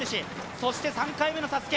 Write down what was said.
そして３回目のＳＡＳＵＫＥ